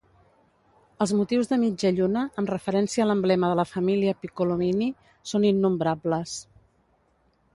Els motius de mitja lluna, amb referència a l'emblema de la família Piccolomini, són innombrables.